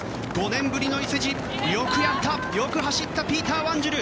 ５年ぶりの伊勢路よくやった、よく走ったピーター・ワンジル。